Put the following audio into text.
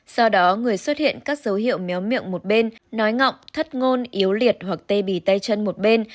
do đó người xuất hiện các dấu hiệu méo miệng một bên nói ngọng thất ngôn yếu liệt hoặc tê bì tay chân một bên